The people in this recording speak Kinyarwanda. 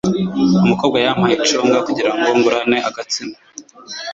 Umukobwa yampaye icunga kugirango ngurane agatsima.